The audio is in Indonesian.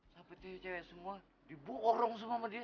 sampai tiga cewek semua diborong semua sama dia